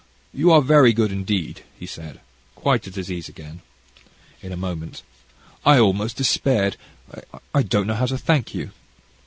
"You are very good indeed," he said, quite at his ease again, in a moment: "I almost despaired I don't know how to thank you."